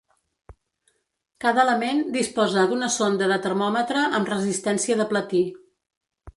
Cada element disposa d'una sonda de termòmetre amb resistència de platí.